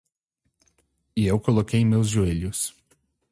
E eu coloquei meus joelhos.